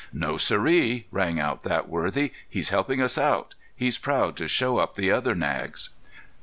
"No siree!" sang out that worthy. "He's helping us out; he's proud to show up the other nags."